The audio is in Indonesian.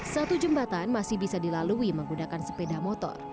satu jembatan masih bisa dilalui menggunakan sepeda motor